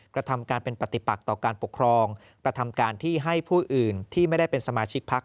กระทำการเป็นปฏิปักต่อการปกครองกระทำการที่ให้ผู้อื่นที่ไม่ได้เป็นสมาชิกพัก